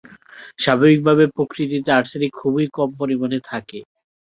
স্বাভাবিকভাবে প্রকৃতিতে আর্সেনিক খুবই কম পরিমাণে থাকে।